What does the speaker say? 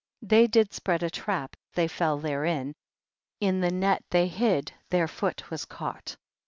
13. They did spread a trap, they fell therein, in the net they hid their foot was caught.